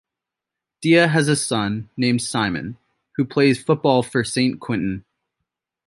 Dia has a son, named Simon, who plays football for Saint-Quentin.